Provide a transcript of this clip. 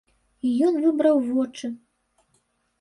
І ён выбраў вочы.